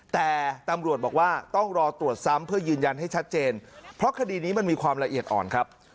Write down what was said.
แต่ตำรวจบอกว่าต้องรอตรวจซ้ำเพื่อยืนยันให้ชัดเจนเพราะคดีนี้มันมีความละเอียดอ่อนครับ